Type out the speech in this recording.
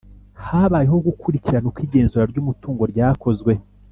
habayeho gukurikirana uko igenzura ry umutungo ryakozwe